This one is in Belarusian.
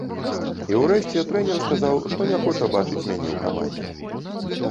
І ўрэшце трэнер сказаў, што не хоча бачыць мяне ў камандзе.